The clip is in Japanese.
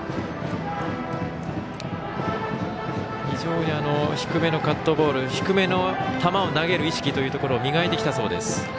非常に低めのカットボール低めの球を投げる意識というところを磨いてきたそうです。